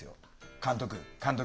監督監督。